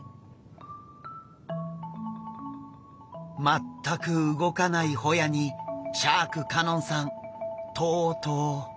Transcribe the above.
全く動かないホヤにシャーク香音さんとうとう。